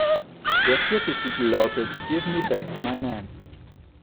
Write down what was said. Der vierte Titel lautet "give me back my man".